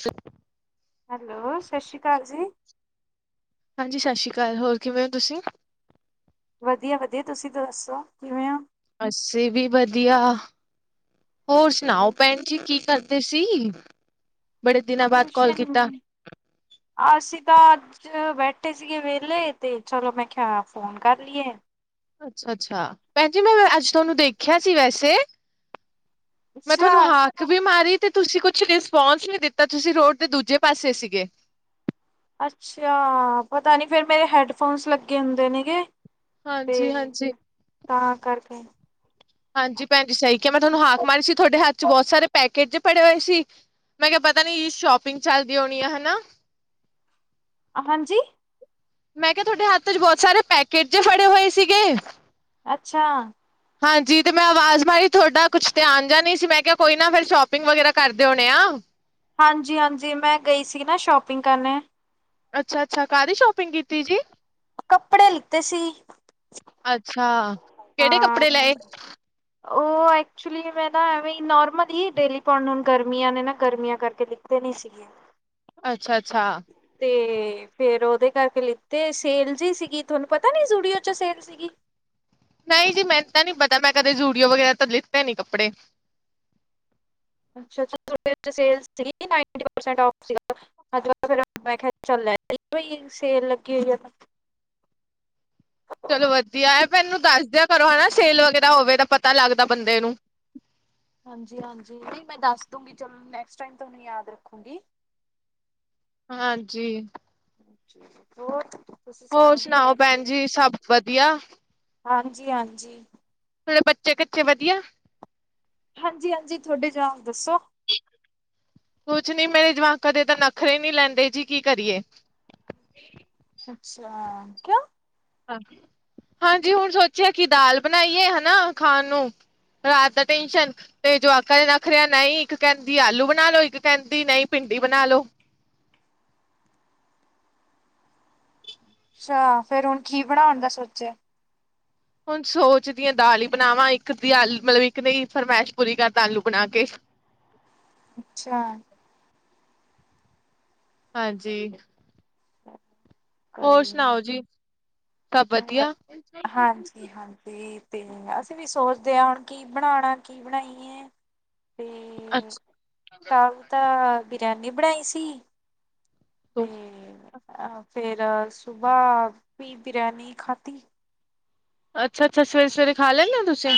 ਛ ਹੈਲੋ ਸਤਿ ਸ਼੍ਰੀ ਅਕਾਲ ਜੀ ਹਾਂਜੀ ਸਤਿ ਸ਼੍ਰੀ ਅਕਾਲ ਹੋਰ ਕਿਵੇਂ ਹੋ ਤੁਸੀਂ ਵਧੀਆ ਵਧੀਆ ਤੁਸੀਂ ਤਾਂ ਦੱਸੋ ਕਿਵੇਂ ਹੋ ਅਸੀਂ ਵੀ ਵਧੀਆ ਹੋਰ ਸੁਣਾਓ ਭੈਣ ਜੀ ਕੀ ਕਰਦੇ ਸੀ ਬੜੇ ਦਿਨਾਂ ਬਾਅਦ ਕਾਲ ਅਛਿਆ ਕੀਤਾ ਅਸੀਂ ਤਾਂ ਅੱਜ ਬੈਠੇ ਸੀਗੇ ਵਿਹਲੇ ਤੇ ਚਲੋ ਮੈਂ ਖਿਆ ਫੋਨ ਕਰ ਲਈਏ ਅੱਛਾ ਅੱਛਾ ਭੈਣ ਜੀ ਮੈਂ ਅੱਜ ਤੁਹਾਨੂੰ ਦੇਖਿਆ ਸੀ ਵੈਸੇ ਮੈਂ ਅੱਛਾ ਤੁਹਾਨੂੰ ਹਾ ਬੀਮਾਰੀ ਤੇ ਤੁਸੀਂ ਕੁਛ ਰਿਸਪੋਂਸ ਨਹੀਂ ਦਿੱਤਾ ਤੁਸੀਂ ਰੋਡ ਦੇ ਦੂਜੇ ਪਾਸੇ ਸੀਗੇ ਅੱਛਾ ਪਤਾ ਨਹੀਂ ਫਿਰ ਮੇਰੇ ਹੈਡਫੋਨਸ ਲੱਗੇ ਹੁੰਦੇ ਨੇਗੇ ਤੇ ਹਾਂਜੀ ਹਾਂਜੀ ਤਾਂ ਕਰਕੇ ਹਾਂਜੀ ਭੈਣਜੀ ਸਹੀ ਕਿਹਾ ਮੈਂ ਤੁਹਾਨੂੰ ਹਾਕ ਮਾਰੀ ਸੀ ਤੁਹਾਡੇ ਹੱਥ ਚ ਬਹੁਤ ਸਾਰੇ ਪੈਕੇਜ ਪੜੇ ਹੋਏ ਸੀ ਮੈਂ ਕਿਹਾ ਪਤਾ ਨੀ ਸ਼ੋਪਿੰਗ ਚੱਲਦੀ ਹੋਣੀ ਆ ਹਨਾ ਹਾਂਜੀ ਮੈਂ ਕਿਹਾ ਤੁਹਾਡੇ ਹੱਥ ਚ ਬਹੁਤ ਸਾਰੇ ਪੈਕੇਜ ਫੜੇ ਹੋਏ ਸੀਗੇ ਅੱਛਾ! ਹਾਂਜੀ ਤੇ ਮੈਂ ਆਵਾਜ਼ ਮਾਰੀ ਤੁਹਾਡਾ ਕੁਛ ਧਿਆਨ ਜਿਹਾ ਹੀ ਨਹੀਂ ਸੀ ਮੈਂ ਕਿਹਾ ਕੋਈ ਨਾ ਫਿਰ ਸ਼ੋਪਿੰਗ ਵਗ਼ੈਰਾ ਕਰਦੇ ਹੋਣੇ ਆ। ਹਾਂਜੀ ਹਾਂਜੀ ਮੈਂ ਗਈ ਸੀ ਨਾ ਸ਼ੋਪਿੰਗ ਕਰਨੇ। ਅੱਛਾ ਅੱਛਾ ਕਾਹ ਦੀ ਸ਼ੋਪਿੰਗ ਕੀਤੀ ਜੀ। ਕੱਪੜੇ ਲਿੱਤੇ ਸੀ ਅੱਛਾ ਕਿਹੜੇ ਹਾਂ ਕੱਪੜੇ ਲਏ ਉਹ ਐਕਚੁਲੀ ਮੈਂ ਨਾ ਐਵੇਂ ਨੋਰਮਲ ਹੀ ਡੇਲੀ ਪਨ ਹੁ ਗਰਮੀਆਂ ਨੇ ਨਾ ਗਰਮੀਆਂ ਕਰਕੇਖ ਦੇਣੀ ਸੀਗੇ ਅੱਛਾ ਅੱਛਾ ਤੇ ਫੇਿਰ ਉਹਦੇ ਕਰਕੇ ਲਿੱਤੇ ਸੇਲਜ਼ ਹੀ ਸੀਗੀ ਤੁਹਾਨੂੰ ਪਤਾ ਨੀ ਸੂਡੀਓ ਚ ਸੇਲ ਸੀਗੀ ਨਹੀਂ ਜੀ ਮੈਨੂੰ ਤਾਂ ਨਹੀਂੀ ਪਤਾ ਮੈਂ ਕਦੇ ਜੂਡੀਓ ਵਗੈਰਾ ਤਾਂ ਲਿੱਤੇ ਨੀ ਕੱਪੜੇ ਅੱਛੇ ਸੀ ਅਜ ਫ ਕਿਹਾ ਚੱਲੈ ਸੇਰ ਲੱਗੀ ਹੋਈ ਆ ਚਲੋ ਵਧੀਆ ਹੈ, ਮੈਨੂੰ ਦੱਸ ਦਿਆਂ ਕਰੋ ਹੈ ਨਾ ਸੇਲ ਵਗੈਰਾ ਹੋਵੇ ਤਾਂ ਪਤਾ ਲੱਗਦਾ। ਤਾਂ ਬੰਦੇ ਨੂੰ ਹਾਂਜੀ, ਹਾਂਜੀ । ਹਾਂਜੀ। ਬਹੁਤ। ਹੋਰ ਸੁਣਾਓ ਭੈਣ ਜੀ ਸਭ ਵਧੀਆ? ਹਾਂਜੀ ਹਾਂਜੀ। ਤੁਹਾਡੇ ਬੱਚੇ ਕੱਚੇ ਵਧੀਆ‌? ਹਾਂਜੀ, ਹਾਂਜੀ ਤੁਹਾਡੇ ਜੁਆਕ ਦੱਸੋ? ਕੁਛ ਨੀ ਮੇਰੇ ਜਵਾਕਾਂ ਦੇ ਤਾਂ ਨਖਰੇ ਹੀ ਨੀ ਲਹਿੰਦੇ ਜੀ ਕੀ ਕਰੀਏ? ਅੱਛਾ ਕਿਉ? ਹਾਂਜੀ ਹੁਣ ਸੋਚਿਆ, ਕਿ ਦਾਲ ਬਣਾਈਏ ਹੈ ਨਾ ਖਾਣ ਨੂੰ। ਰਾਤ ਦਾ ਟੈਨਸ਼ਨ। ਤੇ ਜਵਾਕਾਂ ਦੇ ਨਖਰੇ ਆ ਨਹੀਂ ਇੱਕ ਕਹਿੰਦੀ ਆਲੂ ਬਣਾ ਲਓ ਨਹੀਂ ਇੱਕ ਕਹਿੰਦੀ ਭਿੰਡੀ ਬਣਾ ਲਓ। ਅੱਛਾ ਫੇਰ ਹੁਣ ਕੀ ਬਣਾਉਣ ਦਾ ਸੋਚਿਆ? ਹੁਣ ਸੋਚ ਦੀ ਆ ਦਾਲ ਹੀ ਬਣਾਵਾਂ ਇੱਕ ਦੀ ਆਲੂ ਮਤਲਬ ਇੱਕ ਦੀ ਫਰਮਾਇਸ਼ ਪੂਰੀ ਕਰ ਦਾ ਆਲੂ ਬਣਾ ਕੇ। ਅੱਛਾ। ਹਾਂਜੀ ਹ ਹੋਰ ਗਈ ਨਹੀਂ ਸੁਣਾਓ ਜੀ ਸਭ ਵਧੀਆ ਹਾਂਜੀ ਹਾਂਜੀ। ਤੇ ਅਸੀਂ ਵੀ ਸੋਚਦੇ ਹਾਂ ਹੁਣ ਕੀ ਬਣਾਉਣਾ ਕੀ ਬਣਾਈਏ ਤੇ। ਅੱਛਾ। ਕੱਲ ਤਾਂ ਬਰਿਆਨੀ ਬਣਾਈ ਸੀ। ਹ ਫਿਰ ਸੁਬਾਹ ਵੀ ਬਰਿਆਨੀ ਖਾਧੀ। ਅੱਛਾ ਅੱਛਾ ਸਵੇਰੇ ਸਵੇਰੇ ਖਾ ਲੈਂਦੇ ਹੋ ਤੁਸੀਂ?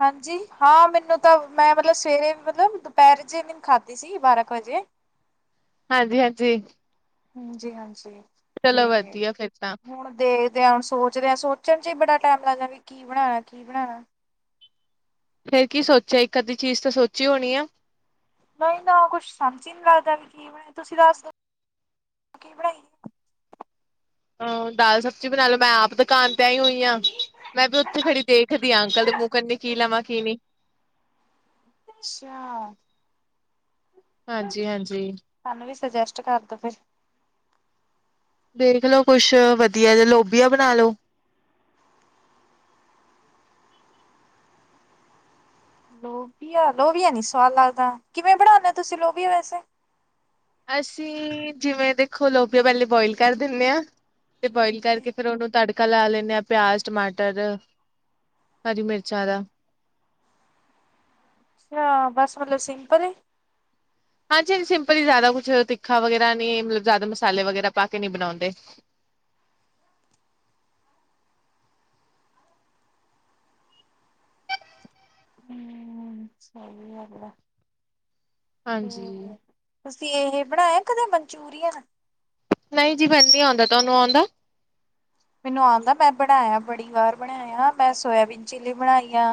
ਹਾਂਜੀ, ਹਾਂ ਮੈਨੂੰ ਤਾਂ ਮੈਂ ਮਤਲਬ ਸਵੇਰੇ ਮਤਲਬ ਦੁਪਹਿਰ ਜੇਹੇ ਵੀ ਖਾਧੀ। ਜੀ ਬਾਰਾਂ ਕੁ ਵਜੇ। ਹਾਂਜੀ ਹਾਂਜੀ। ਹਾਂਜੀ ਹਾਂਜੀ ਚਲੋ ਤੇ ਵਧੀਆ ਫਿਰ ਤਾਂ ਹੁਣ ਦੇ। ਹੁਣ ਸੋਚਦੇ ਆ ਸੋਚਣ ਚ ਹੀ ਬੜਾ ਟਾਈਮ ਲੱਗਦਾ ਵੀ ਕੀ ਬਣਾਉਣਾ ਕੀ ਬਣਾਉਣਾ। ਫੇਰ ਕੀ ਸੋਚਿਆ ਇੱਕ ਅੱਧੀ ਚੀਜ਼ ਤਾਂ ਸੋਚੀ ਹੋਣੀ ਆ? ਨਹੀ ਤਾਂ ਕੁਛ ਸਮਝ ਹੀ ਨੀ ਲੱਗਦਾ ਵੀ ਕੀ ਬਣਾਈਏ ਤੁਸੀਂ ਦੱਸ ਦਿਉ ਕੀ ਬਣਾਈਏ। ਹ ਦਾਲ ਸਬਜ਼ੀ ਬਣਾ ਲਉ ਮੈਂ ਆਪ ਤਾਂ ਦੁਕਾਨ ਤੇ ਆਈ ਹੀ ਹੋਈ ਆ ਮੈਂ ਵੀ ਉੱਥੇ ਖੜੀ ਦੇਖਦੀ ਆ ਅੰਕਲ ਦੇ ਮੂੰਹ ਕਨੀ ਕੀ ਲਵਾਂ ਕੀ ਨਹੀਂ। ਅੱਛਾ। ਹਾਂਜੀ ਹਾਂਜੀ। ਸਾਨੂੰ ਵੀ ਸੁਜੈਸਟ ਕਰਦੋ ਫਿਰ? ਦੇਖ ਲੋ, ਕੁਛ, ਵਧੀਆ ਜਿਹਾ, ਲੋਭੀਆ ਬਣਾ ਲਉ। ਲੋਬੀਆ ਲੋਬੀਆ ਨੀ ਸਵਾਦ ਲੱਗਦਾ ਕਿਵੇਂ ਬਣਾਉਦੇ ਹੋ ਤੁਸੀਂ ਲੋਬੀਆ ਵੈਸੇ? ਅਸੀਂ, ਜਿਵੇਂ ਦੇਖੋ, ਲੋਬੀਆ ਪਹਿਲੇ ਬੋਇਲ ਕਰ ਦਿੰਦੇ ਹਾਂ ਤੇ ਬੋਇਲ ਕਰਕੇ। ਫਿਰ ਉਹਨੂੰ ਤੜਕਾ ਲਾ ਲੈਂਦੇ ਹਾਂ ਪਿਆਜ਼ ਟਮਾਟਰ ਹਰੀ ਮਿਰਚਾਂ ਦਾ। ਅੱਛਾ, ਬਸ ਮਤਲਬ ਸਿੰਪਲ ਹੀ। ਹਾਂਜੀ, ਹਾਂਜੀ ਸਿੰਪਲੀ ਹੀ ਜਿਆਦਾ ਕੁਛ ਤਿੱਖਾ ਵਗੈਰਾ ਨੀ ਮਤਲਬ ਜ਼ਿਆਦਾ ਮਸਾਲੇ ਵਗੈਰਾ ਪਾ ਕੇ ਨਹੀਂ ਬਣਾਉਂਦੇ। ਹੂੰ ਸਹੀ ਗੱਲ ਆ। ਤੇ ਹਾਂਜੀ। ਤੁਸੀਂ, ਇਹ ਬਣਾਇਆ ਕਦੇ ਮਨਚੂਰੀਅਨ? ਨਹੀਂ ਜੀ ਮੈਨੂੰ ਨੀ ਆਉਂਦਾ ਤੁਹਾਨੂੰ ਆਉਂਦਾ। ਮੈਨੂੰ ਆਉਂਦਾ ਮੈਂ ਬਣਾਇਆ ਬੜੀ ਵਾਰ ਬਣਾਇਆ ਮੈਂ ਸੋਇਬੀਨ ਚਿੱਲੀ ਬਣਾਈ ਆ।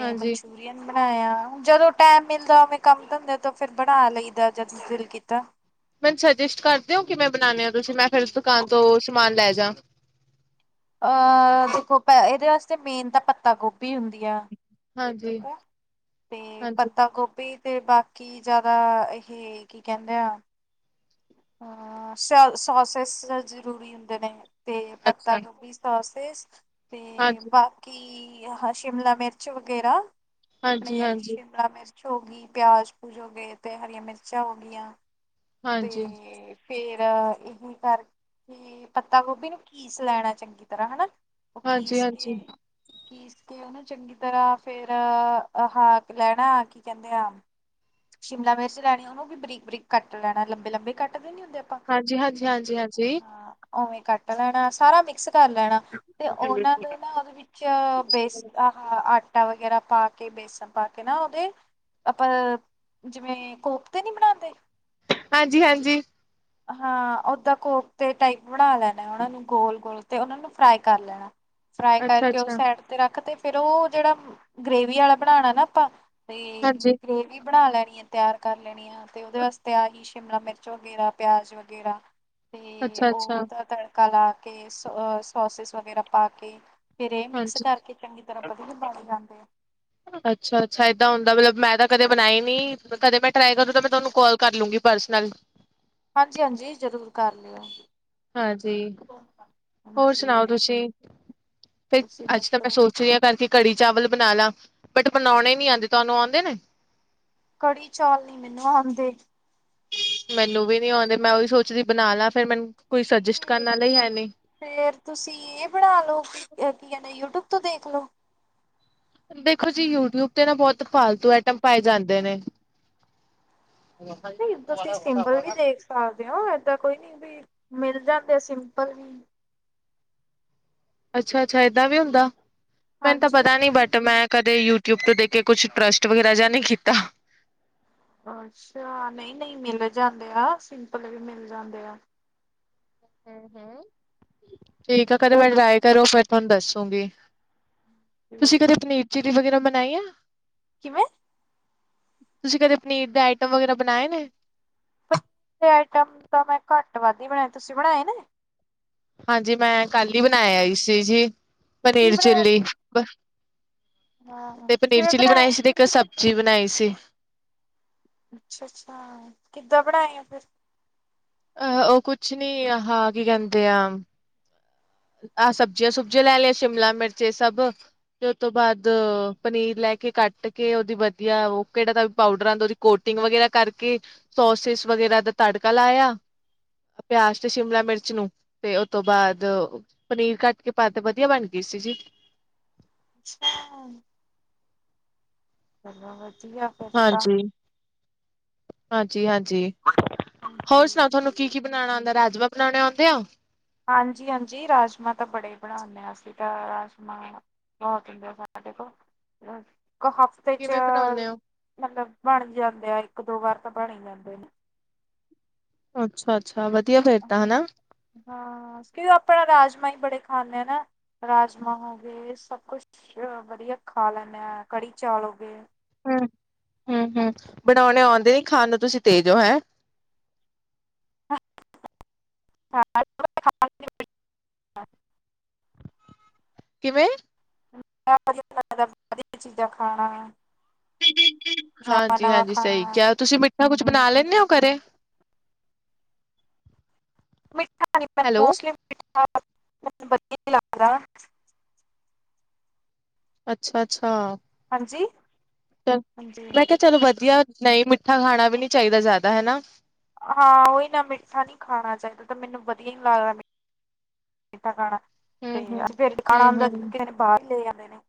ਹਾਂਜੀ। ਬਣਾਇਆ ਜਦੋਂ ਟੈਮ ਮਿਲਦਾ ਓਵੇਂ ਕੰਮ ਧੰਦੇ ਤੋਂ ਫਿਰ ਬਣਾ ਲਈਦਾ ਜਦ ਦਿਲ ਕੀਤਾ। ਸੂਜੈਸਟ ਕਰਦੇ ਓ ਕਿਵੇਂ ਬਣਾਣੇ ਓ ਤੁਸੀਂ ਮੈਂ ਫਿਰ ਦੁਕਾਨ ਤੋਂ ਸਮਾਨ ਲੈ ਜਾ। ਅਹ ਦੇਖੋ ਪ ਇਹਦੇ ਵਾਸਤੇ ਮੇਨ ਤਾਂ ਪੱਤਾ ਗੋਭੀ ਹੁੰਦੀ ਆ। ਹਾਂਜੀ, ਠੀਕ ਐ ਤੇ ਹਾਂਜੀ, ਪੱਤਾ ਗੋ ਤੇ ਬਾਕੀ ਜ਼ਿਆਦਾ ਇਹ ਕੀ ਕਹਿੰਦੇ ਆ ਅ ਸੋਸਿਸ ਜ਼ਰੂਰੀ ਹੁੰਦੇ ਨੇ ਤੇ ਪੱਤਾ ਅੱਛਾ, ਗੋਭੀ [unintelligible] ਤੇ, ਹਾਂਜੀ, ਬਾਕੀ ਹਾਂ ਸ਼ਿਮਲਾ ਮਿਰਚ ਵਗੈਰਾ ਹਾਂਜੀ, ਆਪਣੇ ਹਾਂਜੀ, ਸ਼ਿਮਲਾ ਮਿਰਚ। ਹੋ ਗਈ ਪਿਆਜ ਪੂਜ ਹੋ ਗਏ ਤੇ ਹਰੀਆਂ ਮਿਰਚਾਂ ਹੋ ਗਈਆਂ ਤੇ ਹਾਂਜੀ। ਫੇਰ ਇਹੀ ਕਰਕੇ ਤੇ ਪੱਤਾ ਗੋਭੀ ਨੂੰ ਕੀਸ ਲੈਣਾ ਚੰਗੀ ਤਰ੍ਹਾਂ ਹਨਾ ਓ ਹਾਂਜੀ, ਕੀਸ ਕੇ ਹਾਂਜੀ, [inaudible] ਚੰਗੀ ਤਰ੍ਹਾਂ ਫੇਰ ਆ ਹਾਂ ਲੈਣਾ ਕੀ ਕਹਿੰਦੇ ਆ। ਸ਼ਿਮਲਾ ਮਿਰਚ ਲੈਣੀ ਉਹਨੂੰ ਵੀ ਬਰੀਕ ਬਰੀਕ ਕੱਟ ਲੈਣਾ ਲੰਬੇ ਲੰਬੇ ਕੱਟਦੇ ਨੀ ਹੁੰਦੇ। ਆਪਾਂ ਹਾਂਜੀ-ਹਾਂਜੀ, ਹਾਂਜੀ-ਹਾਂਜੀ ਹਾਂ ਉਵੇਂ ਕੱਟ ਲੈਣਾ ਸਾਰਾ ਮਿਕਸ ਕਰ ਲੈਣਾ ਤੇ ਉਹਨਾਂ ਦੇ ਨਾ ਉਹਦੇ ਵਿੱਚ। ਚ ਬੇਸ ਆ ਆਟਾ ਵਗੈਰਾ ਪਾ ਕੇ ਬੇਸਨ ਪਾ ਕੇ ਨਾ ਉਹਦੇ ਆਪਾਂ ਜਿਵੇਂ ਕੋਫਤੇ ਨੀ ਬਣਾਉਦੇ। ਹਾਂਜੀ ਹਾਂਜੀ, ਹਾਂ, ਓਦਾਂ ਕੋਪਤੇ ਟਾਈਪ ਬਣਾ ਲੈਣਾ ਉਹਨਾ ਨੂੰ ਗੋਲ ਗੋਲ ਤੇ ਉਹਨਾਂ ਨੂੰ ਫਰਾਈ ਕਰ ਲੈਣਾ। ਫਰਾਈ ਅੱਛਾ, ਕਰਕੇ ਉਹ ਅੱਛਾ, ਸਾਈਡ ਤੇ ਰੱਖ ਤੇ ਫੇਰ ਉਹ ਜਿਹੜਾ ਗ੍ਰੇਵੀ ਆਲਾ ਬਣਾਉਣਾ ਨਾ ਆਪਾਂ। ਤੇ ਹਾਂਜੀ, ਗ੍ਰੇਵੀ ਬਣਾ ਲੈਣੀ ਐ ਤਿਆਰ ਕਰ ਲੈਣੀ ਆ ਅਤੇ ਉਹਦੇ ਵਾਸਤੇ ਆ ਹੀ ਸ਼ਿਮਲਾ ਮਿਰਚ ਵਗੈਰਾ। ਪਿਆਜ ਵਗੈਰਾ ਤੇ ਅੱਛਾ, ਅੱਛਾ, ਉਹਦਾ ਤੜ ਕਾ ਲਾ ਕੇ ਸ ਸੋਸਿਸ ਵਗੈਰਾ ਪਾ ਕੇ ਫੇਰ ਇਹ ਮਿਕਸ ਹਾਂਜੀ। ਕਰਕੇ। ਚੰਗੀ ਤਰ੍ਹਾਂ [unintelligible] ਜਾਂਦੇ ਆ ਅੱਛਾ ਅੱਛਾ, ਏਦਾਂ ਹੁੰਦਾ ਮਤਲਬ ਮੈਂ ਤਾਂ ਕਦੇ ਬਣਾਈ ਨੀ। ਕਦੇ ਮੈਂ ਟਰਾਈ ਕਰੂੰ ਤਾਂ ਮੈਂ ਤੁਹਾਨੂੰ ਕਾਲ ਕਰ ਲੂੰਗੀ ਪਰਸਨਲ। ਹਾਂਜੀ-ਹਾਂਜੀ, ਜ਼ਰੂਰ ਕਰ ਲਓ। ਹਾਂਜੀ, ਹੋਰ ਸੁਣਾਓ ਤੁਸੀਂ ਫਿਰ ਤੁਸੀਂ ਅੱਜ ਤਾਂ ਦੱਸੋ ਮੈਂ ਸੋਚ ਰਹੀ ਹਾਂ ਕਰਕੇ। ਕੜੀ ਚਾਵਲ ਬਣਾ ਲਾ ਬਟ ਬਣਾਉਣੇ ਨੀ ਆਉਂਦੇ ਤੁਹਾਨੂੰ ਆਉਂਦੇ ਨੇ। ਕੜੀ ਚੌਲ ਨੀ ਮੈਨੂੰ ਆਉਂਦੇ। ਮੈਨੂੰ ਵੀ ਨਹੀਂ ਆਉਂਦੇ ਮੈਂ ਉਹੀ ਸੋਚਦੀ ਬਣਾ ਲਾ ਫੇਰ ਮੈਨੂੰ ਕੋਈ ਸੂਜੈਸਟ ਤੇ ਕਰਨ ਆਲਾ ਹੀ ਹੈਨੀ। ਫੇਰ ਤੁਸੀਂ ਇਹ ਬਣਾ ਲੋ ਕੀ ਕਹਿੰਦੇ ਯੂਟਿਊਬ ਤੋਂ ਦੇਖ ਲੋ। ਦੇਖੋ ਜੀ ਯੂਟਿਊਬ ਤੇ ਨਾ ਬੋਤ ਫਾਲਤੂ ਆਈਟਮ ਪਾਏ ਜਾਂਦੇ ਨੇ। [unintelligible] ਪਾ ਦਿਓ ਏਦਾਂ ਕੋਈ ਨੀ ਵੀ, ਮਿਲ ਜਾਂਦੇ ਆ ਸਿੰਪਲ ਵੀ। [inaudible] ਯੂਟੀਊਬ ਹਾਂਜੀ ਹਾਂਜੀ। ਤੇ ਦੇਖ ਕੇ ਕੁਛ ਟਰੱਸਟ ਵਗੈਰਾ ਜਾ ਨਈ ਕੀਤਾ। ਅੱਛਾ, ਨਈ, ਨਈ ਮਿਲ ਜਾਂਦੇ ਆ, ਸਿੰਪਲ ਵੀ ਮਿਲ ਜਾਂਦੇ ਆ। ਹੂੰ, ਹੂੰ ਠੀਕ ਆ ਕਦੇ ਮੈਂ ਟਰਾਏ ਕਰੂੰ ਫੇਰ ਤੁਹਾਨੂੰ ਦੱਸੂਂਗੀ। ਤੁਸੀਂ ਕਦੇ ਪਨੀਰ, ਚਿਲੀ ਵਗੇਰਾ ਬਨਾਈ ਆ? ਕਿਵੇਂ? ਤੁਸੀਂ ਕਦੇ ਪਨੀਰ ਦੇ ਆਈਟਮ ਵਗੈਰਾ ਬਨਾਏ ਨੇ? ਆਈਟਮ ਤਾਂ ਮੈਂ ਘੱਟ-ਵੱਧ ਈ ਬਣਾਏ, ਤੁਸੀਂ ਬਣਾਏ ਨੇ? ਹਾਂਜੀ, ਮੈਂ ਕੱਲ ਈ ਬਨਾ ਆਈ ਸੀ ਜੀ। ਕੀ ਪਨੀਰ, ਬਣਾਇਆ ਚਿੱਲੀ ਸੀ? ਬ, ਹਾਂ ਤੇ ਪਨੀਰ, ਕਿਵੇਂ ਚਿੱਲੀ ਬਣਾਈ ਬਣਾਇਆ? ਸੀ ਤੇ ਇੱਕ ਸਬਜੀ ਬਨਾਈ ਸੀ। ਅੱਛਾ ਅੱਛਾ ਕਿੱਦਾਂ ਪੜਾਏ ਆ ਫਿਰ ਅਹ ਉਹ ਕੁਛ ਨੀ ਆ ਹਾਂ ਕੀ ਕਹਿੰਦੇ ਆ ਆਹ ਸਬਜ਼ੀਆਂ ਸੁਬਜ਼ੀਆਂ ਲੈ ਲਈਆਂ ਸ਼ਿਮਲਾ ਮਿਰਚ ਸਭ ਤੇ ਉਹ ਤੋਂ ਬਾਅਦ ਪਨੀਰ ਲੈ ਕੇ ਕੱਟ ਕੇ ਉਹਦੀ ਵਧੀਆ ਉਹ ਕਿਹੜਾ ਦਾ ਵੀ ਪਾਊਡਰ ਆਉਂਦਾ ਉਹਦੀ ਕੋਟਿੰਗ ਵਗੈਰਾ ਕਰਕੇ ਸੋਸਿਸ ਵਗੈਰਾ ਦਾ ਤੜਕਾ ਲਾਇਆ ਪਿਆਜ ਤੇ ਸ਼ਿਮਲਾ ਮਿਰਚ ਨੂੰ ਤੇ ਉਹ ਤੋਂ ਬਾਅਦ ਪਨੀਰ ਕੱਟ ਕੇ ਪਾ ਤਾ ਵਧੀਆ ਬਨ ਗਈ ਸੀ ਜੀ [unintelligible] [unintelligible] ਵਦੀਆ। [inaudible] ਹਾਂਜੀ, ਹਾਂਜੀ, ਹਾਂਜੀ ਹੋਰ ਸਣਾਓ ਥੋਨੂੰ ਕੀ, ਕੀ ਬਨਾਣਾ ਆਂਦਾ? ਰਾਜਮਾਂ ਬਨਾਣੇ ਆਉਂਦੇ ਆ? ਹਾਂਜੀ, ਹਾਂਜੀ ਰਾਜਮਾ ਤਾਂ ਬੜੇ ਈ ਬਣਾਓਨੇ ਆਂ ਅਸੀਂ ਤਾਂ ਰਾਜਮਾ। ਬੋਤ ਹੁੰਦੇ ਆ ਸਾਡੇ ਕੋਲ [unintelligible] ਕਿਵੇਂ ਚੌਲ਼ ਬਣਾਉਣੇ ਹੋ? ਮਤਲਬ ਬਣ ਜਾਂਦੇ ਆ, ਇੱਕ ਦੋ ਵਾਰ ਤਾਂ ਬਣ ਈ ਜਾਂਦੇ ਨੇ। ਅੱਛਾ, ਅੱਛਾ ਵਧੀਆ ਫੇਰ ਤਾ ਹਨਾ। ਹਾਂਜੀ ਹਾਂ, ਕਿਓ ਆਪਾਂ ਰਾਜਮਾਂ ਈ ਬੜੇ ਖਾਂਨੇ ਆ ਨਾ, ਰਾਜਮਾਂ ਹਾ। ਸਬ ਕੁਸ਼ ਵਧੀਆ ਖਾ ਲੈਂਨੇ ਆ, ਕੜੀ ਚੌਲ ਹੋਗੇ। ਹੂੰ, ਹੂੰ, ਹੂੰ ਬਣਾਓਣੇ ਆਓਂਦੇ ਨੀ, ਖਾਣ ਨੂੰ ਤੁਸੀਂ ਤੇਜ ਹੋ ਹੈਂ। [unintelligible] ਕਿਵੇਂ? [unintelligible] ਵਦੀਆ ਚੀਜਾ ਖਾਣਾ। [inaudible] ਨਵਾਂ ਹਾਂਜੀ, ਨਵਾਂ ਹਾਂਜੀ ਸਹੀ ਖਾਣਾ ਕਿਹਾ ਤੁਸੀਂ ਮਿੱਠਾ ਕੁੱਛ ਬਨਾ ਲੈਂਨੇ ਓ ਘਰੇ? ਹੈਲੋ [unintelligible] [inaudible] ਅੱਛਾ, ਅੱਛਾ। ਹਾਂਜੀ? ਚ ਹਾਂਜੀ। ਮੈਂ ਕਿਆ ਚਲੋ ਵਧੀਆ, ਨਈ ਮਿੱਠਾ ਖਾਣਾ ਵੀ ਨੀ ਚਾਹੀਦਾ ਜਿਆਦਾ ਹੈਨਾ। ਹਾਂ, ਓਈ ਤਾ ਮਿੱਠਾ ਨੀ ਖਾਣਾ ਚਾਈਦਾ ਤੇ ਮੈਨੂੰ ਬਦੀਆ ਨੀ ਲਾਗਦਾ ਮਿ ਠਾ, ਖਾਣਾ ਤੇ ਹੂੰ-ਹੂੰ, [unintelligible] ਹੂੰ-ਹੂੰ ਕਿਸੇ ਨੇ ਬਾਰ ਲੈ ਆਂਦੇ ਨੇ। [inaudible]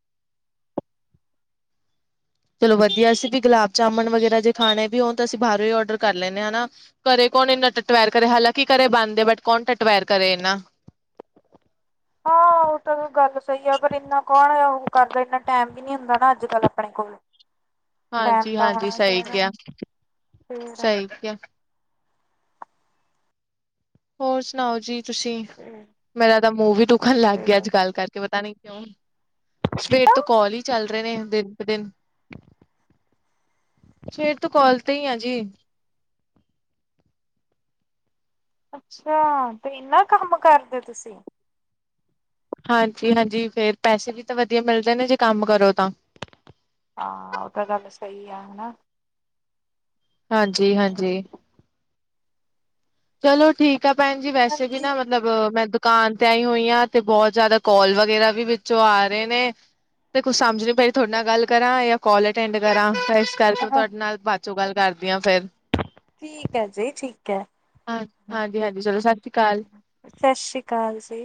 ਚਲੋ ਵਧੀਆ ਅਸੀਂ ਬੀ ਗੁਲਾਬ ਜਾਮਣ ਵਗੈਰਾ ਜੇ ਖਾਣੇ ਵੀ ਹੋਣ, ਤਾਂ ਅਸੀਂ ਬਾਹਰੋਂ ਈ ਓਡਰ ਕਰ ਲੈਨੇ ਆਂ ਨਾ। ਘਰੇ ਕੋਨ ਏਨਾ ਟਟਵੈਰ ਕਰੇ ਹਾਲਾਂਕਿ ਘਰੇ ਬਨਦੇ, ਬਟ ਕੌਨ ਟਟਵੈਰ ਕਰੇ ਐਨਾਂ। [inaudible] [inaudible] [inaudible] ਓਹ ਗੱਲ ਸਹੀ ਆ ਪਰ ਇੰਨਾ ਕੌਣ ਓ ਕਰਦਾ ਇੰਨਾ ਟੈਮ ਵੀ ਨਹੀ ਹੁੰਦਾ ਨਾ, ਅੱਜ-ਕੱਲ ਆਪਣੇ ਕੋਲ। ਟੈਮ ਤਾਂ ਹਾਂਜੀ-ਹਾਂਜੀ ਹੋਣਾ ਚਾਹੀਦਾ ਫੇਰ। ਠੀਕ ਏ। ਹੋਰ ਸੁਨਾਓ ਜੀ ਤੁਸੀਂ? ਮੇਰਾ ਤਾਂ ਮੂੰਹ ਵੀ ਦੁਖਨ ਲੱਗ ਗਿਆ ਅੱਜ ਗੱਲ ਕਰਕੇ ਪਤਾ ਨੀ ਸਵੇਰ ਤੋਂ ਕਾੱਲ ਹੀ ਚੱਲ ਰਹੇ ਨੇ ਦਿਨ ਬ ਦਿਨ। ਸਵੇਰ ਤੋਂ ਕਾਲ ਤੇ ਹੀ ਆ ਜੀ। ਅੱਛਾ ਤੇ ਇੰਨਾ ਕੰਮ ਕਰਦੇ ਤੁਸੀਂ। ਹਾਂਜੀ ਹਾਂਜੀ ਫੇਰ ਪੈਸੇ ਵੀ ਤਾਂ ਵਧੀਆ ਮਿਲਦੇ ਨੇ ਜੇ ਕੰਮ ਕਰੋ ਤਾਂ। ਹਾਂ ਉਹ ਤਾਂ ਗੱਲ ਸਹੀ ਆ ਹੈਨਾ। ਹਾਂਜੀ ਹਾਂਜੀ। ਚਲੋ ਠੀਕ ਹੈ ਭੈਨ ਜੀ ਵੈਸੇ ਵੀ ਹਾਂਜੀ ਨਾ ਮਤਲਬ। ਮ ਮੈਂ ਦੁਕਾਨ ਤੇ ਆਈ ਹੋਈ ਹਾਂ ਤੇ ਬਹੁਤ ਜਿਆਦਾ ਕਾਲ ਵਗੈਰਾ ਵੀ ਵਿੱਚੋਂ ਆ ਰਹੇ ਨੇ। ਤੇ ਕੁਛ ਸਮਝ ਵੀ ਪਏ ਤੁਹਾਡੇ ਨਾਲ ਗੱਲ ਕਰਾਂ ਜਾਂ ਕਾਲ ਅਟੈਂਡ ਕਰਾਂ। ਕੱਲ ਤੋਂ ਹਾਂ ਤੁਹਾਡੇ ਨਾਲ ਬਾਅਦ ਚੋਂ ਗੱਲ ਕਰਦੀ ਹਾਂ ਫੇਰ। ਠੀਕ ਹੈ ਜੀ ਠੀਕ। ਹੈ। ਹਾਂ ਹਾਂਜੀ ਹਾਂਜੀ ਚਲੋ ਸਤ ਸ਼੍ਰੀ ਅਕਾਲ। ਸਤਿ ਸ੍ਰੀ ਅਕਾਲ ਜੀ।